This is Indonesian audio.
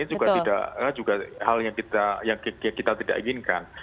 gagal ini juga hal yang kita tidak inginkan